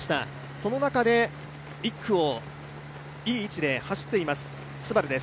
その中で、１区をいい位置で走っています、ＳＵＢＡＲＵです。